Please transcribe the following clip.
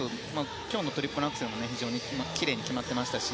今日のトリプルアクセルも非常に奇麗に決まってましたし